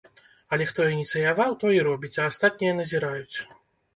Але хто ініцыяваў, той і робіць, а астатнія назіраюць.